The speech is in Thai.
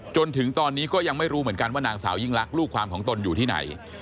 จนถึงตอนนี้ก็ยังไม่รู้เหมือนกันว่านางสาวยิ่งลักษณ์ลูกความของตนอยู่ที่ไหน